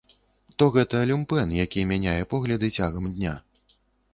То гэта люмпэн, які мяняе погляды цягам дня.